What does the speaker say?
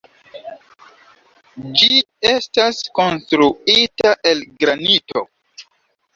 Ĝi estas konstruita el granito.